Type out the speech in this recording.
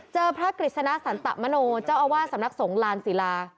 พระกฤษณะสันตะมโนเจ้าอาวาสสำนักสงฆ์ลานศิลา